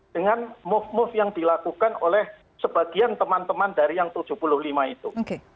dengan move move yang dilakukan oleh sebagian teman teman dari yang tujuh puluh lima itu